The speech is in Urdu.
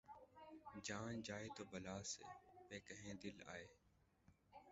جان جائے تو بلا سے‘ پہ کہیں دل آئے